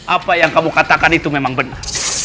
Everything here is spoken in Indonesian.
apa yang kamu katakan itu memang benar